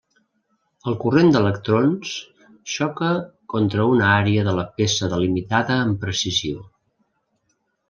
El corrent d'electrons xoca contra una àrea de la peça delimitada amb precisió.